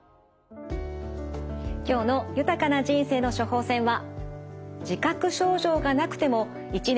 今日の「豊かな人生の処方せん」は。